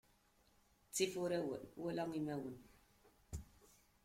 Ttif urawen wala imawen.